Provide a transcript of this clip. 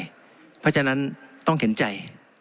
เพราะฉะนั้นต้องเห็นใจ